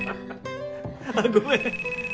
あっごめん。